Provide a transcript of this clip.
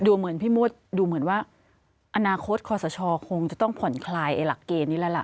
เหมือนพี่มดดูเหมือนว่าอนาคตคอสชคงจะต้องผ่อนคลายหลักเกณฑ์นี้แล้วล่ะ